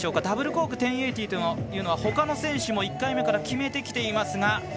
ダブルコーク１０８０はほかの選手も１回目から決めてきていますが。